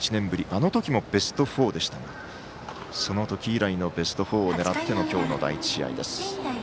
あのときもベスト４でしたがその時以来のベスト４を狙っての今日の第１試合です。